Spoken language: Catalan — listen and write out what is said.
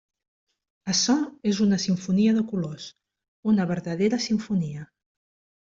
Açò és una simfonia de colors, una verdadera simfonia.